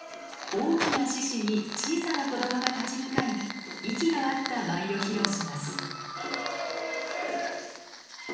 大きな獅子に小さな子供が立ち向かい息の合った舞を披露します。